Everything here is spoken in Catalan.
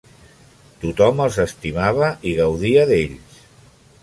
Tothom els estimava i gaudia d'ells.